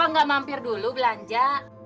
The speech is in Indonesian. nggak mampir dulu belanja